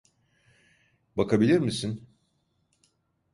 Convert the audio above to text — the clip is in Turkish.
Bakabilir misin?